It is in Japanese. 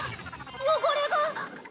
汚れが！